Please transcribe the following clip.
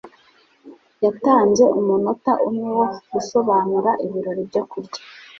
Yatanze umunota umwe wo gusobanura ibirori byo kurya.